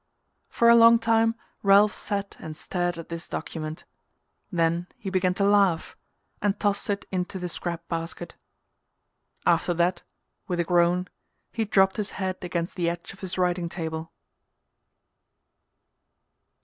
For a long time Ralph sat and stared at this document; then he began to laugh and tossed it into the scrap basket. After that, with a groan, he dropped his head against the edge of his writing table.